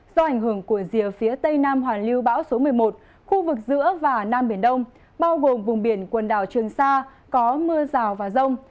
do ảnh hưởng của rìa phía tây nam hoàn lưu bão số một mươi một khu vực giữa và nam biển đông bao gồm vùng biển quần đảo trường sa có mưa rào và rông